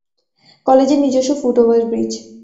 কলেজের নিজস্ব foot over bridge